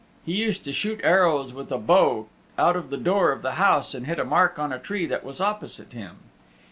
He used to shoot arrows with a bow out of the door of the house and hit a mark on a tree that was opposite him.